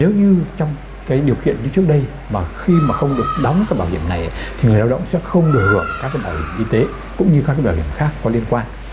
nếu như trong cái điều kiện như trước đây mà khi mà không được đóng cái bảo hiểm này thì người lao động sẽ không được hưởng các cái bảo hiểm y tế cũng như các bảo hiểm khác có liên quan